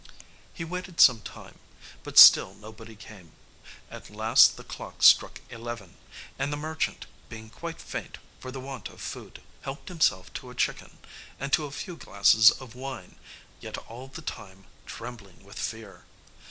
He waited some time, but still nobody came; at last the clock struck eleven, and the merchant, being quite faint for the want of food, helped himself to a chicken, and to a few glasses of wine, yet all the time trembling with fear.